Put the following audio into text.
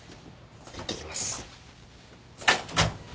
いってきます。